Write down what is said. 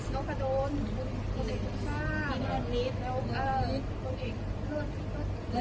โรคโดนโรคเด็กลูกภาพ